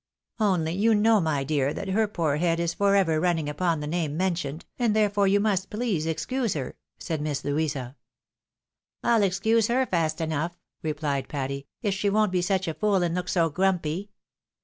Only you know, my dear, that her R 274 THE WIDOW MARRIED. poor head is for ever running upon the name she mentioned, and therefore you must please to excuse her," said Miss Louisa. " I'll excuse her fast enough," replied Patty, " if she won't be such a fool, and look so grumpy.